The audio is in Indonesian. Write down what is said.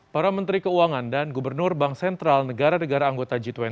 para menteri keuangan dan gubernur bank sentral negara negara anggota g dua puluh